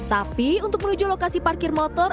tapi untuk menuju lokasi parkir motor